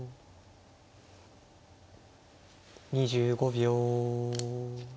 ２５秒。